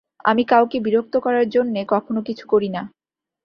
আমি কাউকে বিরক্ত করার জন্যে কখনো কিছু করি না।